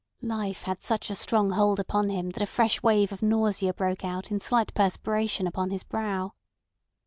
Life had such a strong hold upon him that a fresh wave of nausea broke out in slight perspiration upon his brow.